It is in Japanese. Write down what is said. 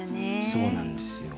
そうなんですよ。